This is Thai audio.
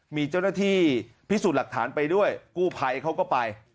มีเจ้าหน้าที่พิสูจน์หลักฐานไปด้วยกู้ภัยเขาก็ไป